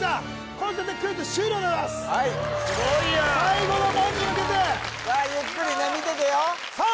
この時点でクイズ終了でございますすごいやん最後の門に向けてゆっくりね見ててよさあ